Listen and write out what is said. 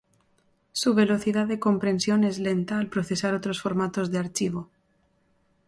Su velocidad de compresión es lenta al procesar otros formatos de archivo.